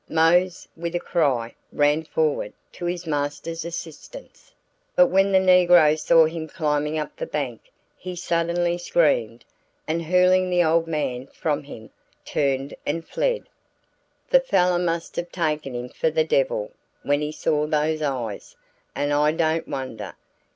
Mose, with a cry, ran forward to his master's assistance, but when the negro saw him climbing up the bank he suddenly screamed, and hurling the old man from him, turned and fled. "The fellow must have taken him for the devil when he saw those eyes, and I don't wonder!"